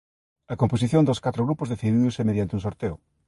A composición dos catro grupos decidiuse mediante un sorteo.